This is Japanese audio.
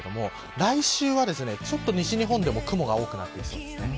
来週は、ちょっと西日本でも雲が多くなってきそうです。